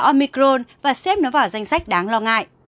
omicron và xếp nó vào danh sách đáng lo ngại